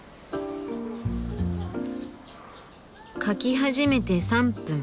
描き始めて３分。